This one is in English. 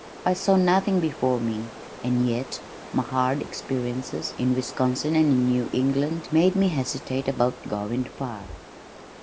I saw nothing before me, and yet my hard experiences in Wisconsin and in New England made me hesitate about going far.